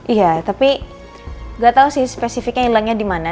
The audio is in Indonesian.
iya tapi gak tau sih spesifiknya hilangnya dimana